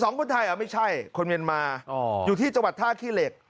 คนไทยอ่ะไม่ใช่คนเมียนมาอยู่ที่จังหวัดท่าขี้เหล็ก